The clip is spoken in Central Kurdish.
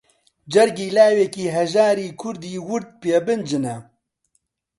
جەرگی لاوێکی هەژاری کوردی ورد پێ بنجنە